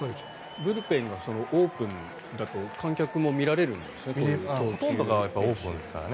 ブルペンがオープンだと観客も見られるんですね。